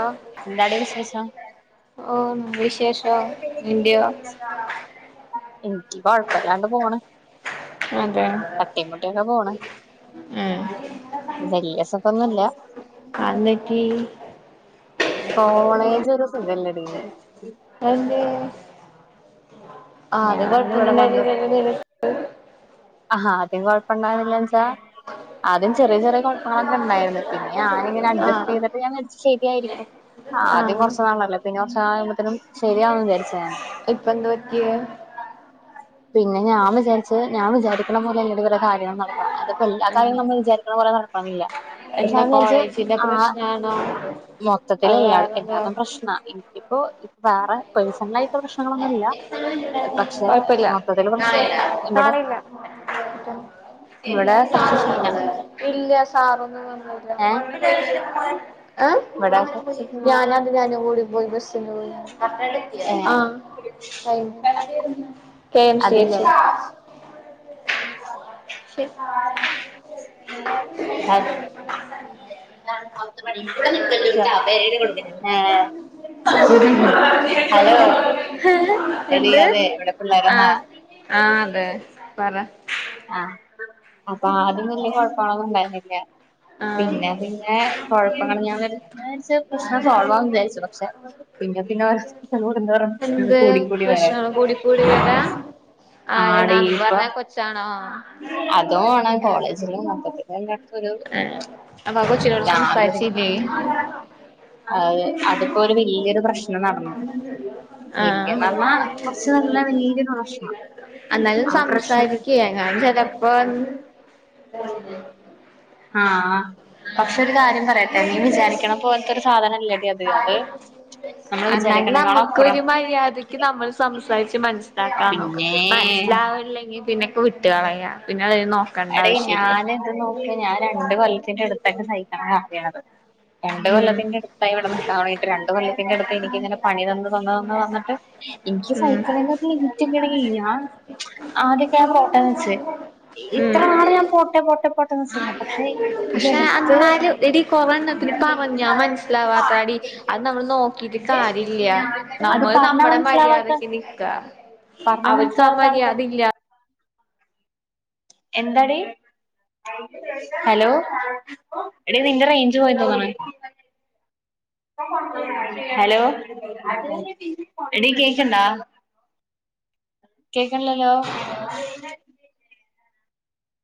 ആ എന്താടി വിശേഷം ഓ വിശേഷോ ല്യാ എനിക്ക് കൊഴപ്പല്ലാണ്ട് പോണ് അതെ തട്ടിയും മുട്ടിയൊക്കെ പോണ് ഉം വല്യ സുഖൊന്നുല്ല അന്നക്കി കോളേജ് ഒരു സുഖല്ലടീ അതെന്തേ ആ അത് ഞാന് കൊഴപ്പൊന്നും ഇവിടെ വണ്ടു ഉണ്ടായിരുന്നില്ലല്ലോ ആഹാ ആദ്യം കുഴപ്പംണ്ടായിരുന്നില്ലച്ചാ ആദ്യം ചെറിയ ചെറിയ കുഴപ്പങ്ങളൊക്കെ ഇണ്ടായിരുന്നു പിന്നെ ഞാന് ഇങ്ങന ആ അഡ്ജസ്റ്റ് ചെയ്തിട്ട് ഞാൻചാരിച്ച് ശരിയായിരിക്കും ആ ആദ്യം കൊറച്ച് നാളല്ലേ പിന്നെ ഒ ക്ഷാവുമ്പോത്തിനും ശരിയാവും ചാരിച്ച് ഞാന് ഇപ്പ എന്താ പറ്റിയേ പിന്നെ ഞാൻ വിാരിച്ച് ഞാ വിചാരിക്കണ പോലെ അല്ല ഇവടെ കാര്യങ്ങൾ നടക്ക്ണെ അതിപ്പോ എല്ലാ കാര്യുംമ്മള് വിചാരി നട ക്കണംന്നില്ല പക്ഷെ എന്താ ഞാൻ വിചരിച്ച് കോളേജിന്റെ ആ പ്രശ്നാണോ മൊത്തത്തിൽ അത് എല്ലാ വേറെന്തോ എല്ലാതും പ്രശ്ന എനിക്കും ഇപ്പൊ വേറെ പേഴ്സണലായിട്ടുള്ള പ്രശ്നങ്ങളൊന്നുല്ല പക്ഷെ കൊഴപ്പില്ല മൊത്തത്തില് പ്രശ്ന ഇവടെ നാളെയില്ല ഇവിടെ കൊറച്ച് സീനാണ് ആ ഇവിടെ കുറച്ച് സീനാ ഞാനത് ഞാന് ഓടി പോയി ബസ് ഏ [unintelligible] ആ കെ എം സി എച്ച് ഉം [unintelligible] പത്ത് മണി കൂടെ നിക്കുന്നു വേറെ കൊടു ഹലോ എടി എന്ത് അതെ ഇവിടെ പിള്ളേരൊന്നാ ആഹ് ആ അതെ പറ ആഹ് അപ്പൊ ആതും വല്യ കുഴപ്പാണോന്നും ഉണ്ടായിരുന്നില്ല ആ പിന്നെ പിന്നെ കൊഴപ്പങ്ങള് ഞാൻ വിചാരിച്ച് പ്രശ്നം സോൾവാവും ന്ന് വിചാരിച്ച് പക്ഷെ പിന്നെ പിന്നെ കൂടുന്തോറും എന്ത് കൂടി കൂടി വരാ പ്രശ്നങ്ങൾ കൂടി കൂടി വരാ ആരടാ അന്ന് ആടെയിപ്പ പറഞ്ഞ കൊച്ചാണോ അതും ആണ് കോളേജിലും മൊത്തിലല്ലാം ആഹ് അ അതിപ്പോ ഒരു വല്യൊരു പ്രശ് നം നടന്ന് വല്യന്ന് ആഹ് പറഞ കൊറച്ച് നല്ല വലിയൊരു പ്രശന എന്നാലും സംസാരിക്കയെങ്ങാനും ചെലപ്പോ ആഹ പക്ഷെ ഒരു കാര്യം പറയട്ടെ നീ വിചാരിക്കണം പോലത്തെ ഒരു സാധനം ഇല്ലടി അത് അത് ഉ എന്നാൽ നമ്മുക്ക് ഒരു മര്യാദയ്ക്ക് നമ്മൾ സംസാരിച്ചു മനസ്സിലാക്കാൻ നോക്ക പിന്നേ മനസ്സിലാവില്ലെങ്കിൽ പിന്നെക്കെ വിട്ട പറയാ പിന്നെ അ ന അട ഞാൻ എന്ത് നോക്കി ഞാൻ രണ്ട് കൊല്ലത്തിറെ അടുത്തൊക്കെ സഹിക്കണ കാര്യണത് രണ്ട് ഉം കൊല്ലത്തിന്റെ അടുത്തായിവിടെന്ന്ക്കാടൊങ്ങിട്ട് രണ്ട് കൊല്ലം അന്റെ അടുത്ത് എനിക്ക് ഇങ്ങനെ പണി തന്നു തന്നു തന്നു തന്നിട്ട് എനിക്ക് ഉം സൈക്കിളറ്റങ്ങ ഞാൻ ആദ്യൊക്കെ ഞൻ പോട്ട വെച്ച് ഉം ഇത്ര നാള് ഞാൻ പോട്ട പോട്ടെ പോട്ടെന്ന് ചെയാം പക്ഷേ പക്ഷെ എന്നാലും എടി കോവന്നപ്പ ഞാൻ മനസ്സിലാവാത്താടി അത് നമ്മള് നോക്കി കാര്യം ഇല്ല അത് നമ്മള് പറഞ്ഞാ നമ്മുടെ മര്യാദക്ക് മനസ്സിലാവാത്ത നിക്ക. പറഞ്ഞാ അവർക്ക് ആ മനസ്സിലാവാത്ത ആൾക്കാ മര്യാദില്ല. എന്താണ് ഹലോ എടി നിന്റെ റേഞ്ച് പോയി തോന്നണെ ഹലോ എടി കേക്കണ്ടാ? കേക്കണില്ലല്ലോ.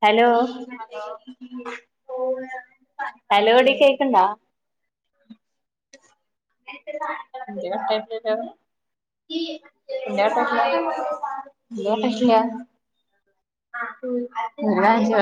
ഹലോ? ഹലോടി കേക്കണ്ട? [unintelligible] പിട്ട പിന്നട്ടഷിയ ഉ [unintelligible]